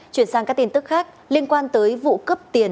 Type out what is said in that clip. vụ cấp tiền tại chính phủ